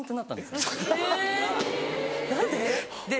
何で？